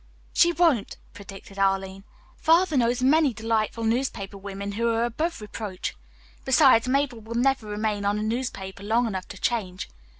"She won't," predicted Arline. "Father knows many delightful newspaper women who are above reproach. Besides, Mabel will never remain on a newspaper long enough to change.